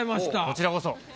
こちらこそ。